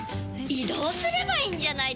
移動すればいいんじゃないですか？